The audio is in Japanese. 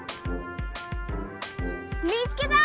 見つけた！